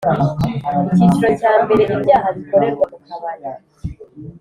Icyiciro cya mbere Ibyaha bikorerwa mukabari